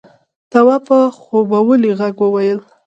تواب په خوبولي غږ وويل: